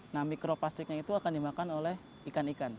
nah mikroplastiknya itu akan dimakan oleh ikan ikan